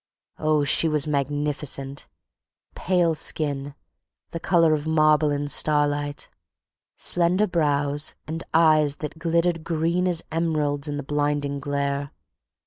Oh, she was magnificent—pale skin, the color of marble in starlight, slender brows, and eyes that glittered green as emeralds in the blinding glare.